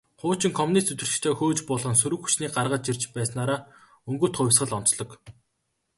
Хуучин коммунист удирдагчдаа хөөж буулган, сөрөг хүчнийг гаргаж ирж байснаараа «Өнгөт хувьсгал» онцлог.